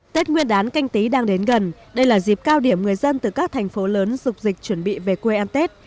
tết nguyên đán canh tí đang đến gần đây là dịp cao điểm người dân từ các thành phố lớn dục dịch chuẩn bị về quê ăn tết